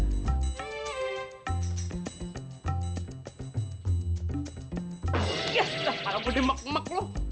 jatah malam mulai emek emek lu